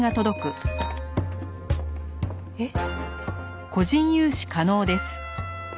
えっ？